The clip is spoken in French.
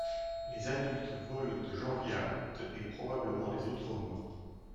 Les adultes volent de janvier à août et probablement les autres mois.